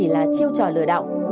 là chiêu trò lừa đạo